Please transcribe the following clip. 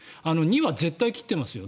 ２は絶対切ってますよ。